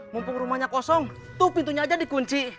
mumpung rumahnya kosong tuh pintunya aja dikunci